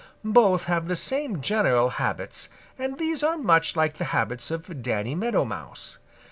Both have the same general habits, and these are much like the habits of Danny Meadow Mouse.